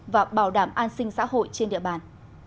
và bảo đảm an sinh xã hội trên địa bàn